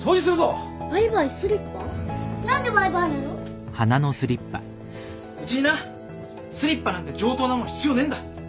うちになスリッパなんて上等な物必要ねえんだ。